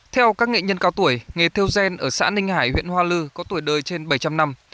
theo các nghệ nhân cao tuổi nghề theo gen ở xã ninh hải huyện hoa lư có tuổi đời trên bảy trăm linh năm